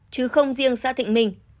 chứ không riêng xã thịnh minh